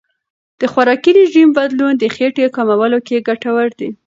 د خوراکي رژیم بدلون د خېټې کمولو کې ګټور دی.